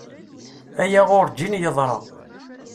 Aya urǧin yeḍra.